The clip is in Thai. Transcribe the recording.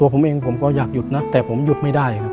ผมเองผมก็อยากหยุดนะแต่ผมหยุดไม่ได้ครับ